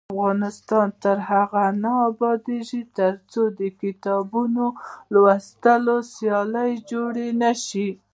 افغانستان تر هغو نه ابادیږي، ترڅو د کتاب لوستلو سیالۍ جوړې نشي.